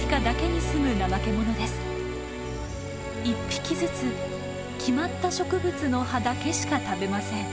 １匹ずつ決まった植物の葉だけしか食べません。